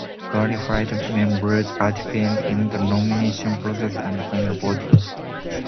Qualified members participate in the nomination process and final voting.